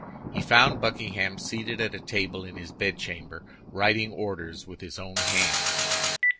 He found Buckingham seated at a table in his bedchamber, writing orders with his own hand.